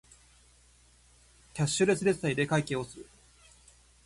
キャッシュレス決済で会計をする